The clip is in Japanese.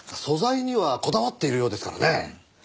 素材にはこだわっているようですからね。